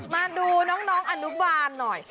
มาดูน้องอนุบาลหน่อย